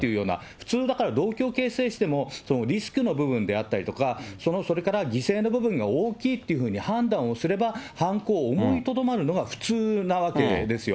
普通、だから動機を形成しても、リスクの部分であったりとか、それから犠牲の部分が大きいっていうふうに判断をすれば、犯行を思いとどまるのは普通なわけですよ。